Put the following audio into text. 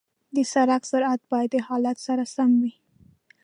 د سړک سرعت باید د حالت سره سم وي.